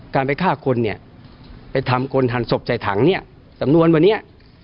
การไปฆ่าคนเนี่ยไปทำคนหันศพใส่ถังเนี่ยสำนวนวันนี้